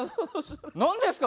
何ですか？